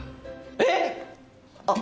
えっ⁉あっ。